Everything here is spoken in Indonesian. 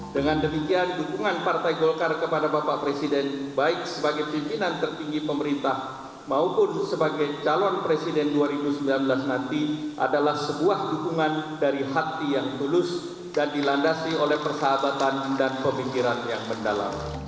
dengan demikian dukungan partai golkar kepada bapak presiden baik sebagai pimpinan tertinggi pemerintah maupun sebagai calon presiden dua ribu sembilan belas nanti adalah sebuah dukungan dari hati yang tulus dan dilandasi oleh persahabatan dan pemikiran yang mendalam